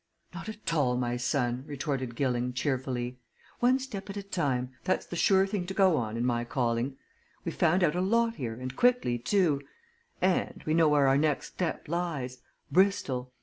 "Not at all, my son!" retorted Gilling, cheerfully. "One step at a time that's the sure thing to go on, in my calling. We've found out a lot here, and quickly, too. And we know where our next step lies. Bristol!